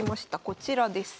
こちらです。